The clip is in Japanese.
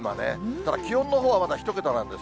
ただ気温のほうはまだ１桁なんです。